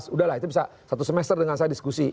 sudah lah itu bisa satu semester dengan saya diskusi